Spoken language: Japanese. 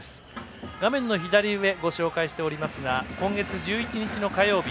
画面左上、ご紹介しておりますが今月１１日の火曜日